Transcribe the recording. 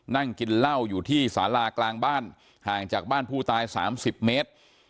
นั่งกินเหล้าอยู่ที่สารากลางบ้านห่างจากบ้านผู้ตาย๓๐เมตร